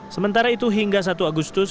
sementara itu hingga satu agustus